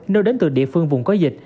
nơi đến từ địa phương vùng có dịch